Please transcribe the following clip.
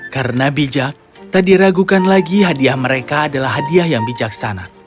karena bijak tak diragukan lagi hadiah mereka adalah hadiah yang bijaksana